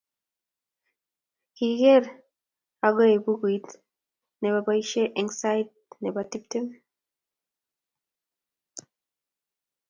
kiker Agueo bukuit ne bo baoishe eng sait ne bo tiptem.